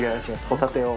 ホタテを。